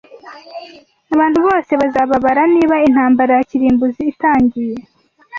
Abantu bose bazababara niba intambara ya kirimbuzi itangiye.